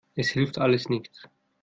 Es hilft alles nichts.